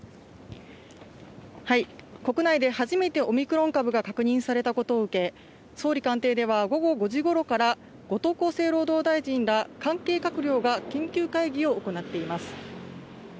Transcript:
国内で初めてオミクロン株が確認されたことを受け、総理官邸では午後５時ごろから、後藤厚生労働大臣ら関係閣僚が緊急会議を行っています。